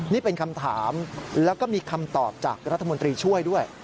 นี่เป็นคำถามแล้วก็มีคำตอบจากรัฐมนตรีช่วยด้วย